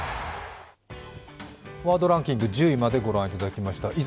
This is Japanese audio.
ワードランキング１０位まで御覧いただきました。